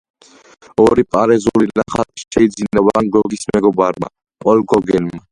ორი პარიზული ნახატი შეიძინა ვან გოგის მეგობარმა, პოლ გოგენმა.